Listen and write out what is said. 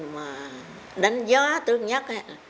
mà đánh giá tốt nhất